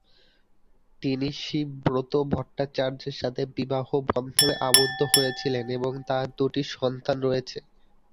তিনি শিব ব্রত ভট্টাচার্যের সাথে বিবাহবন্ধনে আবদ্ধ হয়েছিলেন এবং তার দুটি সন্তান রয়েছে।